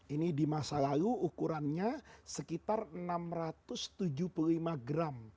ini di masa lalu ukurannya sekitar enam ratus tujuh puluh lima gram